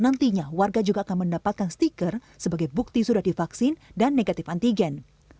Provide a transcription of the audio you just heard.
nantinya warga juga akan mendapatkan stiker sebagai bukti sudah divaksin dan negatif antigen